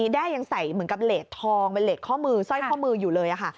แด้ยังใส่เหมือนกับเลสทองเป็นเลสข้อมือสร้อยข้อมืออยู่เลยค่ะ